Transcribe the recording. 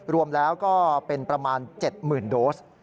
รวมแล้วก็เป็นประมาณ๗๐๐๐โดส